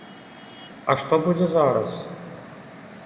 А што будзе зараз?